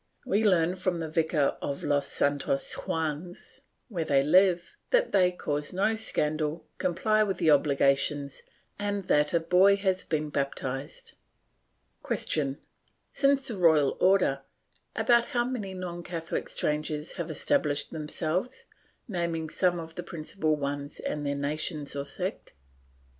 We learn from the Vicar of Los Santos Juanes, where they live, that they cause no scandal, comply with the obligations and that a boy has been baptized. Q. Since the royal order, about how many non Catholic strangers have estab lished themselves, naming some of the principal ones and their nation or sect?